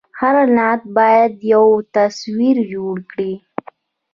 هر لغت باید یو تصویر جوړ کړي.